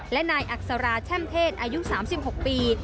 และนายอักษราแช่มเทศอายุ๓๖ปี